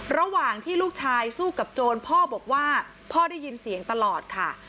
ระหว่างที่ลูกชายสู้กับโจรพ่อบอกว่าพ่อได้ยินเสียงตลอดค่ะ